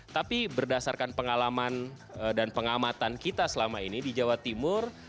tapi berdasarkan pengalaman dan pengamatan kita selama ini di jawa timur